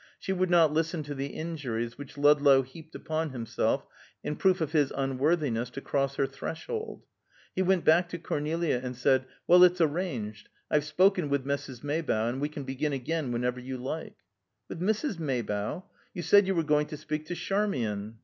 She would not listen to the injuries which Ludlow heaped upon himself in proof of his unworthiness to cross her threshold. He went back to Cornelia, and said, "Well, it's arranged. I've spoken with Mrs. Maybough, and we can begin again whenever you like." "With Mrs. Maybough? You said you were going to speak to Charmian!"